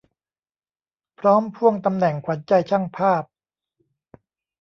พร้อมพ่วงตำแหน่งขวัญใจช่างภาพ